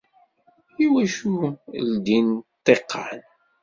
Iwacu ldin ṭṭiqan?